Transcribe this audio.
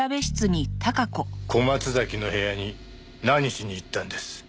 小松崎の部屋に何しに行ったんです？